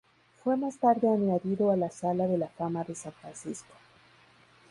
Fue más tarde añadido a la Sala de la Fama de San Francisco.